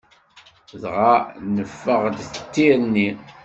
Dɣa neffeɣ-d d tirni.